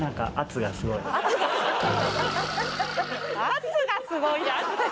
圧がすごいって。